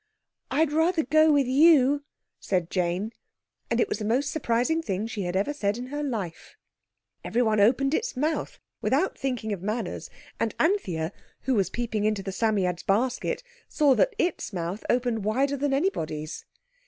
"I'd rather go with you," said Jane. And it was the most surprising thing she had ever said in her life. Everyone opened its mouth without thinking of manners, and Anthea, who was peeping into the Psammead's basket, saw that its mouth opened wider than anybody's.